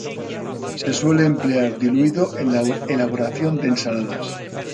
Se suele emplear diluido en la elaboración de ensaladas.